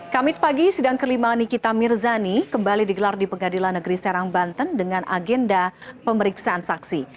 kamis pagi sidang kelima nikita mirzani kembali digelar di pengadilan negeri serang banten dengan agenda pemeriksaan saksi